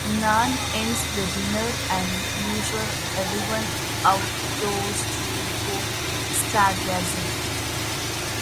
Nan ends the dinner and ushers everyone outdoors to go stargazing.